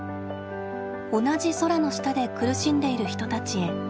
同じ空の下で苦しんでいる人たちへ。